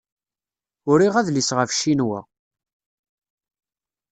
Uriɣ adlis ɣef Ccinwa.